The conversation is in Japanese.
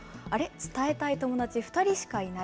伝えたい友達２人しかいない？